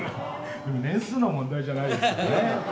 年数の問題じゃないですよね。